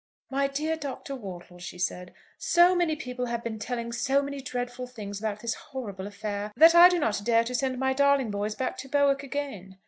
"My dear Doctor Wortle," she said, "so many people have been telling so many dreadful things about this horrible affair, that I do not dare to send my darling boys back to Bowick again.